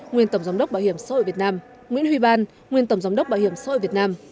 nguyên tổng giám đốc bảo hiểm xã hội việt nam nguyễn huy ban nguyên tổng giám đốc bảo hiểm xã hội việt nam